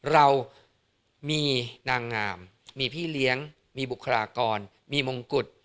เรามีนางงามมีพี่เลี้ยงมีบุคลากรมีมงกุฎ